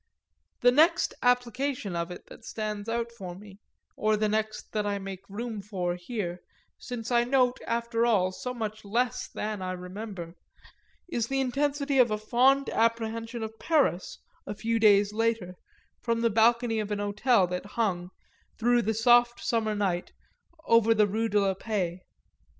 The next application of it that stands out for me, or the next that I make room for here, since I note after all so much less than I remember, is the intensity of a fond apprehension of Paris, a few days later, from the balcony of an hotel that hung, through the soft summer night, over the Rue de la Paix.